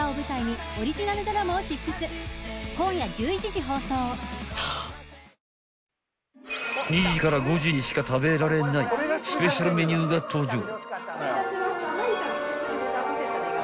［２時から５時にしか食べられないスペシャルメニューが登場］